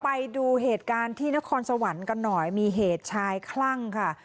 ไปดูเหตุการณ์ที่นครสวรรค์กันหน่อยมีเหตุชายคลั่งค่ะ